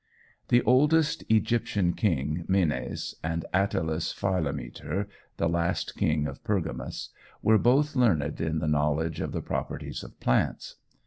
The oldest Egyptian king, Menes, and Attalus Phylometer, the last king of Pergamus, were both learned in the knowledge of the properties of plants.